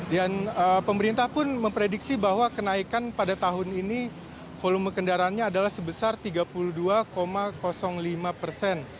dan pemerintah pun memprediksi bahwa kenaikan pada tahun ini volume kendaraannya adalah sebesar tiga puluh dua lima persen